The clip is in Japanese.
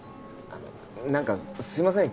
あの何かすいません